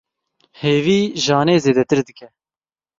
Hêvî, janê zêdetir dike.